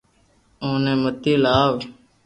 او ني متي لاو